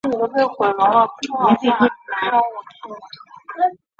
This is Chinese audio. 县治富兰克林。